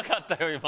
今。